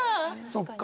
そっか。